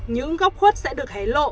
những góc khuất sẽ được hé lộ